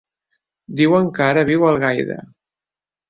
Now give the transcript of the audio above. Diuen que ara viu a Algaida.